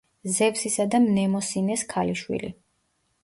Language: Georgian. ზევსისა და მნემოსინეს ქალიშვილი.